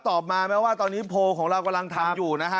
ตอบมาแม้ว่าตอนนี้โพลของเรากำลังทำอยู่นะฮะ